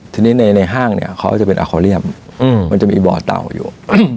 ทีนี้ในห้างเนี่ยเขาจะเป็นอาคอเรียมมันจะมีบ่อเต่าอยู่